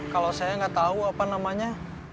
kalau saya nggak tahu apa namanya